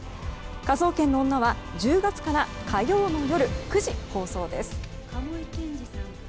「科捜研の女」は１０月から火曜の夜９時放送です。